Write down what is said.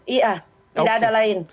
iya tidak ada lain